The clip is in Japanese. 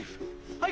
はい。